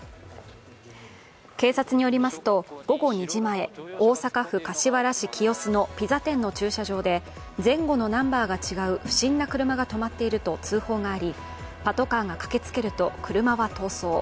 警察によりますと、午後２時前、大阪府柏原市清洲のピザ点の駐車場で前後のナンバーが違う不審な車が止まっていると通報があり、パトカーが駆けつけると車は逃走。